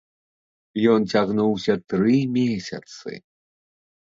Ён цягнуўся тры месяцы.